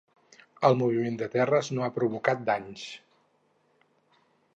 El moviment de terres no ha provocat danys.